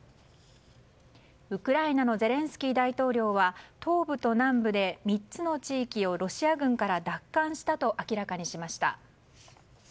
ウクライナのゼレンスキー大統領は東部と南部で３つの地域をロシア軍から奪還したと明らかにしました。